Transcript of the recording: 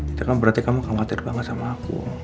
itu kan berarti kamu khawatir banget sama aku